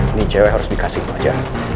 ini cewe harus dikasih wajah